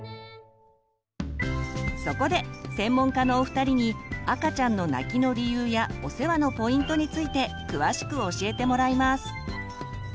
そこで専門家のお二人に赤ちゃんの泣きの理由やお世話のポイントについて詳しく教えてもらいます。